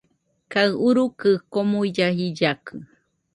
Kaɨ urukɨ komuilla jillakɨ